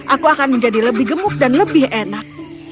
aku akan menjadi lebih gemuk dan lebih enak